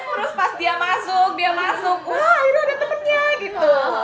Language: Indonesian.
terus pas dia masuk dia masuk wah itu ada temennya gitu